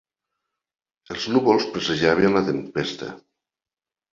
Els núvols presagiaven la tempesta.